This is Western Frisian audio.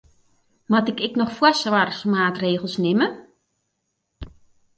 Moat ik ek noch foarsoarchmaatregels nimme?